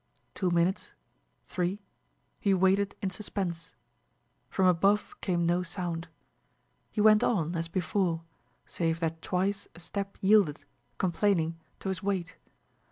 Two minutes three he waited in suspense. From above came no sound. He went on, as before, save that twice a step yielded, complaining, to his weight.